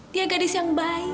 dia gadis yang baik